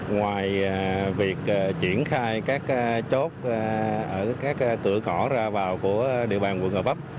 ngoài việc triển khai các chốt ở các cửa khẩu ra vào của địa bàn quận gò vấp